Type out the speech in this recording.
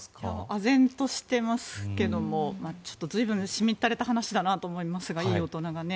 あぜんとしてますけど随分しみったれた話だなと思いますがいい大人がね。